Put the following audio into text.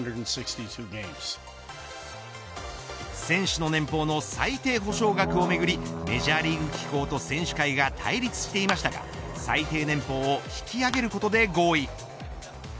選手の年俸の最低補償額をめぐりメジャーリーグ機構と選手会が対立していましたが、最低年俸を引き上げることで合意。